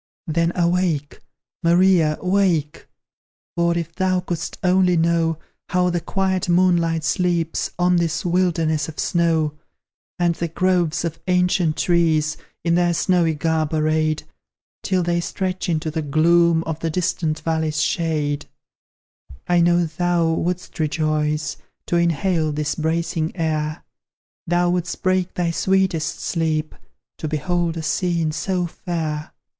Then, awake! Maria, wake! For, if thou couldst only know How the quiet moonlight sleeps On this wilderness of snow, And the groves of ancient trees, In their snowy garb arrayed, Till they stretch into the gloom Of the distant valley's shade; I know thou wouldst rejoice To inhale this bracing air; Thou wouldst break thy sweetest sleep To behold a scene so fair.